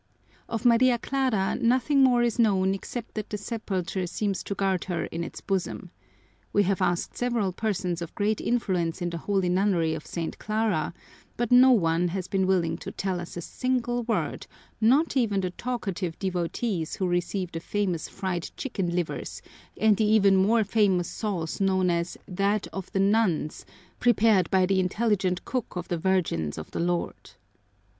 Of Maria Clara nothing more is known except that the sepulcher seems to guard her in its bosom. We have asked several persons of great influence in the holy nunnery of St. Clara, but no one has been willing to tell us a single word, not even the talkative devotees who receive the famous fried chicken livers and the even more famous sauce known as that "of the nuns," prepared by the intelligent cook of the Virgins of the Lord.